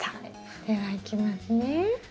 ではいきますね。